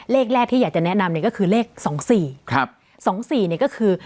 เลขแรกที่อยากจะแนะนำเนี่ยก็คือเลขสองสี่ครับสองสี่เนี่ยก็คือ